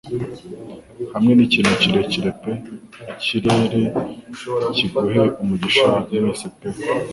Hamwe nikintu kirekire pe ikirere kiguhe umugisha mwese pe